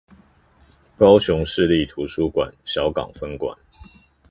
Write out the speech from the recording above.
高雄市立圖書館小港分館